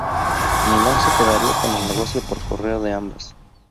Milán se quedaría con el negocio por correo de ambas.